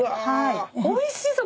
おいしそう！